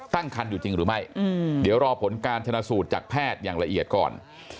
ตั้งคันอยู่จริงหรือไม่เดี๋ยวรอผลการชนะสูตรจากแพทย์อย่างละเอียดก่อน